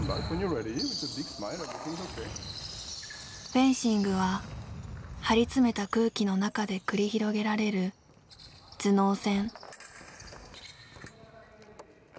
フェンシングは張り詰めた空気の中で繰り広げられる頭脳戦。